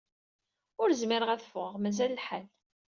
Ur zmireɣ ad ffɣeɣ. Mazal lḥal.